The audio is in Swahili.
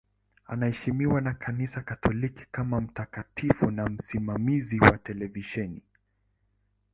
Anaheshimiwa na Kanisa Katoliki kama mtakatifu na msimamizi wa televisheni.